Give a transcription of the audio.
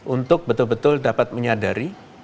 untuk betul betul dapat menyadari